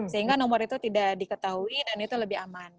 sehingga nomor itu tidak diketahui dan itu lebih aman